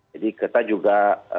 jadi kita juga